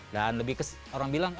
dan lebih orang bilang